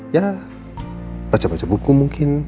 ya baca baca buku mungkin